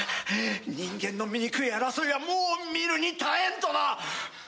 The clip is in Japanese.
人間の醜い争いはもう見るに堪えんとな。